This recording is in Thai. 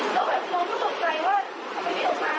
แล้วแบบน้องก็ตกใจว่าเขาไม่ได้ออกมา